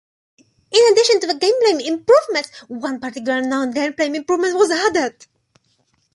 In addition to the gameplay improvements, one particular non-gameplay improvement was added.